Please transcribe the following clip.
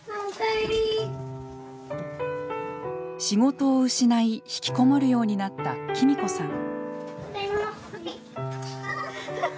仕事を失い、ひきこもるようになったきみこさん。